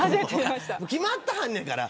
決まってはんねんから。